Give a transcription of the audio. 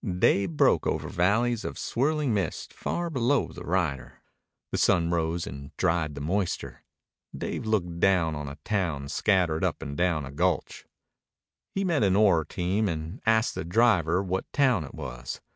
Day broke over valleys of swirling mist far below the rider. The sun rose and dried the moisture. Dave looked down on a town scattered up and down a gulch. He met an ore team and asked the driver what town it was.